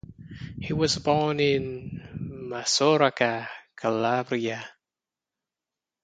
He was born in Mesoraca, Calabria.